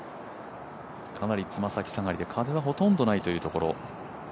かなり爪先下がりで風はほとんどないというところ。